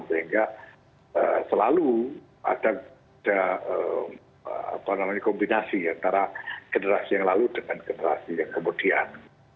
sehingga selalu ada kombinasi antara generasi yang lalu dengan generasi yang kemudian